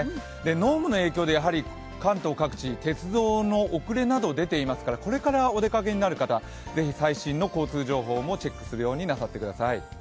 濃霧の影響で関東各地鉄道の遅れなど出ていますからこれからお出かけになる方、ぜひ最新の交通情報をチェックするようになさってください。